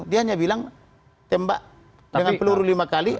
dia hanya bilang tembak dengan peluru lima kali